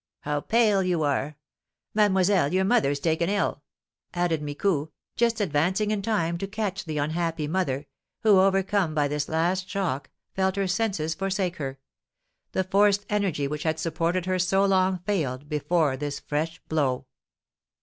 How pale you are! Mademoiselle, your mother's taken ill!" added Micou, just advancing in time to catch the unhappy mother, who, overcome by this last shock, felt her senses forsake her, the forced energy which had supported her so long failed before this fresh blow.